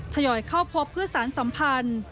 ทยอยเข้าพบเพื่อสารสัมพันธ์